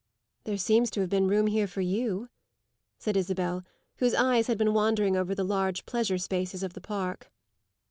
"There seems to have been room here for you," said Isabel, whose eyes had been wandering over the large pleasure spaces of the park.